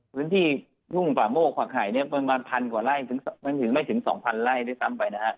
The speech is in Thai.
พื้นที่ถุงพระโมฃกฎไหยมันมา๑๐๐๐กว่าไร่ถึง๑๙๒๐ได้ซ้ำไป